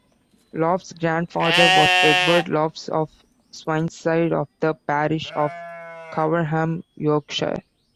Loftus's grandfather was Edward Loftus of Swineside, of the parish of Coverham, Yorkshire.